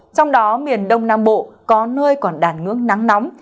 trong đó miền đông nam bộ có nơi còn đàn ngưỡng nắng nóng